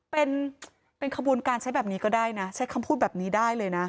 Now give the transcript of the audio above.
เป็นขบวนการใช้แบบนี้ก็ได้นะใช้คำพูดแบบนี้ได้เลยนะ